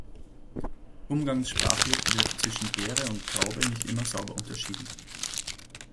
Umgangssprachlich wird zwischen Beere und Traube nicht immer sauber unterschieden.